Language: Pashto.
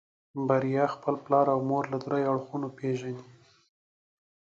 بريا خپل پلار او مور له دريو اړخونو پېژني.